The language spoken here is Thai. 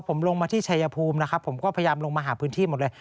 ผมลงมาที่ชายภูมินะครับผมก็พยายามลงมาหาพื้นที่หมดเลย